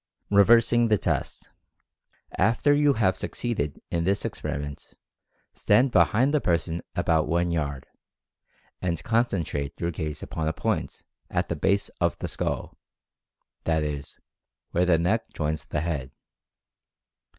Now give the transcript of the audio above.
REVERSING THE TEST. After you have succeeded in this experiment, stand behind the person about one yard, and concentrate your gaze upon a point at the base of the skull, that is, where the neck joins the head.